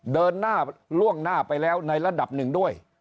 เดินหน้าล่วงหน้าไปแล้วในระดับหนึ่งด้วย